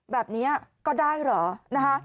แบบนี้ก็ได้เหรอ